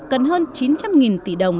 cần hơn chín trăm linh tỷ đồng